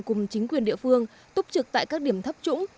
cùng chính quyền địa phương túc trực tại các điểm thấp trũng